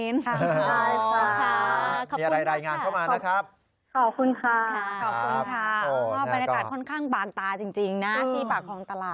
บรรยากาศค่อนข้างบางตาจริงนะที่ปากฮองตลาดนะ